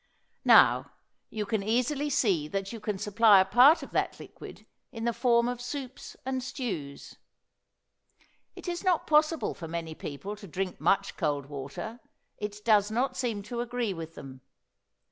Now, you can easily see that you can supply a part of that liquid in the form of soups and stews. It is not possible for many people to drink much cold water: it does not seem to agree with them.